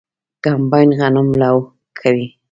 کمباین غنم لو کوي.